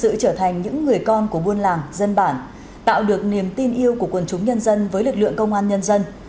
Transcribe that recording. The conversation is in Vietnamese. tự trở thành những người con của buôn làng dân bản tạo được niềm tin yêu của quần chúng nhân dân với lực lượng công an nhân dân